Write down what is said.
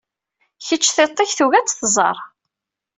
Kečč, tiṭ-ik tugi ad tt-tẓar.